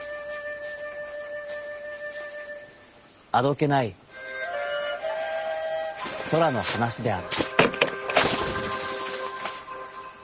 あどけない空の話である」。